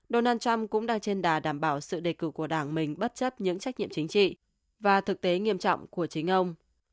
donald trump cũng đang trên đà đảm bảo sự đề cử của đảng mình bất chấp những trách nhiệm chính trị và thực tế nghiêm trọng của chính ông